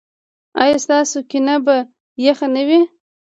ایا ستاسو کینه به یخه نه وي؟